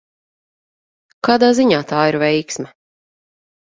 Kādā ziņā tā ir veiksme?